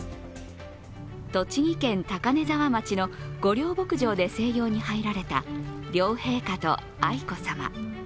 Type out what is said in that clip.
栃木県高根沢町の御料牧場で静養に入られた両陛下と愛子さま。